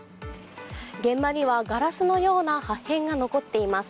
現場にはガラスのような破片が残っています。